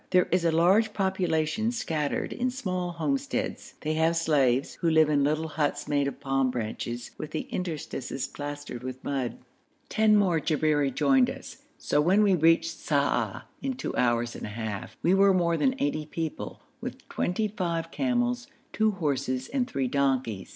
There is a large population scattered in small homesteads. They have slaves, who live in little huts made of palm branches, with the interstices plastered with mud. Ten more Jabberi joined us, so when we reached Sa'ah in two hours and a half, we were more than eighty people, with twenty five camels, two horses, and three donkeys.